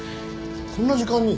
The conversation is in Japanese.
こんな時間に。